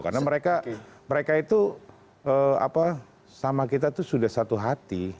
karena mereka itu sama kita itu sudah satu hati